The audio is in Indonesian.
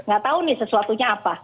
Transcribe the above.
tidak tahu ini sesuatunya apa